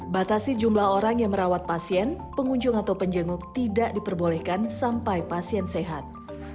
batasi jumlah orang yang merawat pasien pengunjung atau penjenguk tidak diperbolehkan sampai pasien sehat